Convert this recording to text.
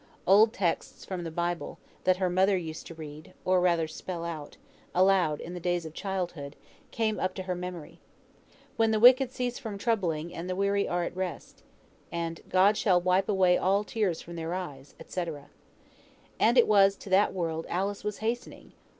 Old texts from the Bible that her mother used to read (or rather spell out) aloud, in the days of childhood, came up to her memory. "Where the wicked cease from troubling, and the weary are at rest." "The tears shall be wiped away from all eyes," &c. And it was to that world Alice was hastening!